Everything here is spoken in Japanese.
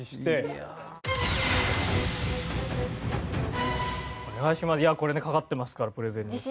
いやこれにかかってますからプレゼンに。